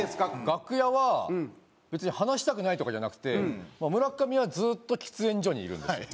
楽屋は別に話したくないとかじゃなくて村上はずっと喫煙所にいるんですよ。